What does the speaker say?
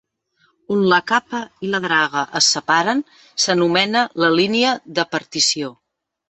On la capa i la draga es separen s'anomena la línia de partició.